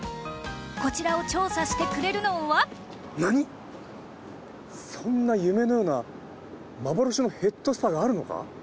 こちらを調査してくれるのは何⁉そんな夢のような幻のヘッドスパがあるのか？